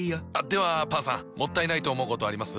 ではパンさんもったいないと思うことあります？